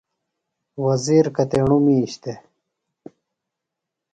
وزیر کتیݨُوۡ مِیش دےۡ؟